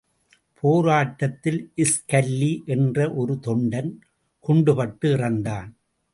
போராட்டத்தில் ஸ்கல்லி என்ற ஒரு தொண்டன் குண்டுபட்டு இறந்தான்.